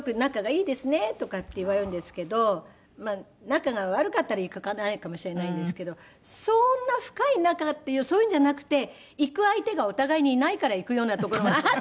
まあ仲が悪かったら行かないかもしれないんですけどそんな深い仲っていうそういうんじゃなくて行く相手がお互いにいないから行くようなところがあったりとか。